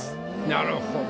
なるほど。